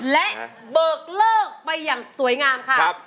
และเบิกเลิกไปอย่างสวยงามค่ะ